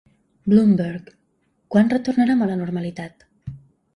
Bloomberg: Quan retornarem a la normalitat?